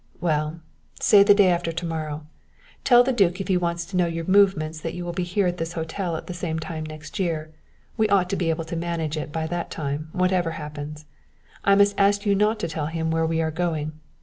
"Well say the day after to morrow. Tell the duke if he wants to know your movements that you will be here at this hotel at the same time next year. We ought to be able to manage it by that time, whatever happens. I must ask you not to tell him where we are going.